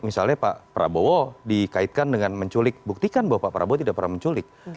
misalnya pak prabowo dikaitkan dengan menculik buktikan bahwa pak prabowo tidak pernah menculik